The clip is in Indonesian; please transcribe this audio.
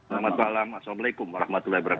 selamat malam assalamualaikum warahmatullahi wabarakatuh